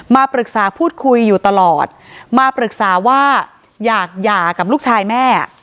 มาปรึกษาพูดคุยอยู่ตลอดมาปรึกษาว่าอยากหย่ากับลูกชายแม่